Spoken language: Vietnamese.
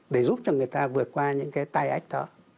để giúp cho người ta vượt qua những cái tai ách đó